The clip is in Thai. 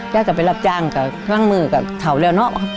ยากจะไปรับจังกับล้างมือกับเถาเลยน้อง